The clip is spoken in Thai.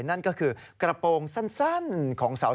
นั่นก็คือกระโปรงสั้นของเสา